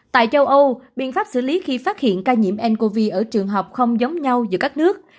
tại châu âu biện pháp xử lý khi phát hiện ca nhiễm ncov ở trường học không giống nhau giữa các nước